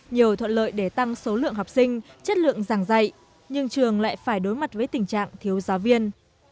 nhiều thuận lợi để tăng số lượng học sinh chất lượng giảng dạy nhưng trường lại phải đối mặt với tình trạng thiếu giáo viên